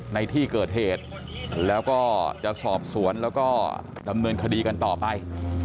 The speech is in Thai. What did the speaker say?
ในที่เกิดเหตุแล้วก็จะสอบสวนแล้วก็ดำเนินคดีกันต่อไป